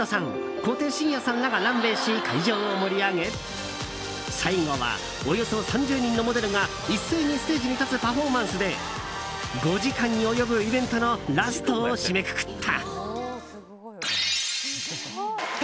小手伸也さんらがランウェーし会場を盛り上げ最後はおよそ３０人のモデルが一斉にステージに立つパフォーマンスで５時間に及ぶイベントのラストを締めくくった。